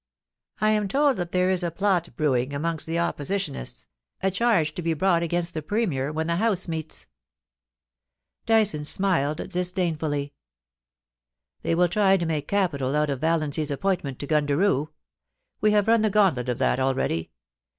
I am told that there is a plot brewing amongst the Oppositionists — a, charge to be brought against the Premier when the House meets.' Dyson smiled disdainfully. * They will try to make capital out of Valiancy's appoint ment to Gundaroo. We have mn the gauntlet of that already.